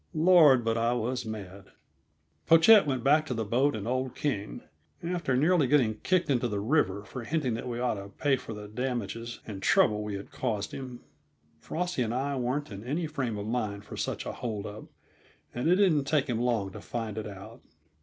Lord, but I was mad! Pochette went back to the boat and old King, after nearly getting kicked into the river for hinting that we ought to pay for the damage and trouble we had caused him. Frosty and I weren't in any frame of mind for such a hold up, and it didn't take him long to find it out.